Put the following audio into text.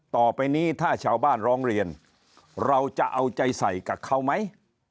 ต่อไปนี้ถ้าชาวบ้านร้องเรียนเราจะเอาใจใส่กับเขาไหม